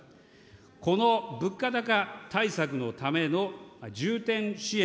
この物価高対策のための重点支援